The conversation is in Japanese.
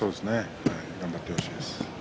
頑張ってほしいです。